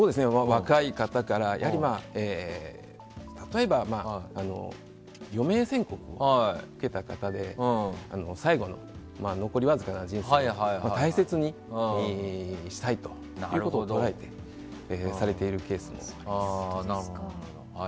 若い方から例えば余命宣告を受けた方で最後の残りわずかな人生を大切にしたいということでされているケースもあります。